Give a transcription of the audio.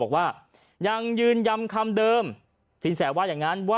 บอกว่ายังยืนยันคำเดิมสินแสว่าอย่างนั้นว่า